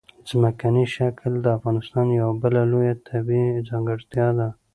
ځمکنی شکل د افغانستان یوه بله لویه طبیعي ځانګړتیا ده.